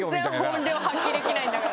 全然本領発揮できないんだから。